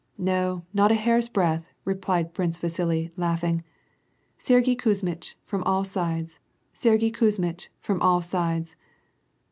" No, not a hair's breadth," replied Prince Vasili, laughing, "* Sergyei Kuzmitch : from all sides — Sergyei Kuzmitch! from all sides.'